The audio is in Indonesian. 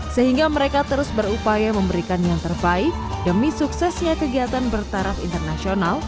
sehingga mereka terus berupaya memberikan yang terbaik demi suksesnya kegiatan bertaraf internasional